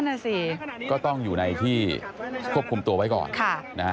นั่นแหละสิก็ต้องอยู่ในที่ควบคุมตัวไว้ก่อน